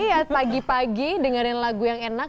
iya pagi pagi dengerin lagu yang enak